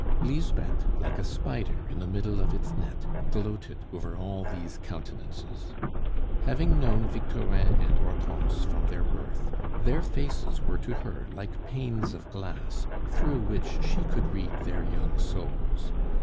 Lisbeth, like a spider in the middle of its net, gloated over all these countenances. Having known Victorin and Hortense from their birth, their faces were to her like panes of glass, through which she could read their young souls.